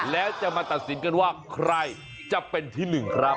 แล้วจะมาตัดสินกันว่าใครจะเป็นที่หนึ่งครับ